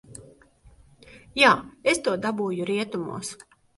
Jā, es to dabūju rietumos.